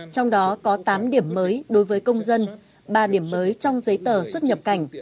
trong đó có tám điểm mới đối với công dân ba điểm mới trong giấy tờ xuất nhập cảnh